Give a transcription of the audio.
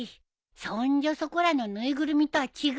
そんじょそこらの縫いぐるみとは違うんだよ。